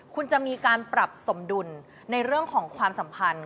คุณจะมีการปรับสมดุลในเรื่องของความสัมพันธ์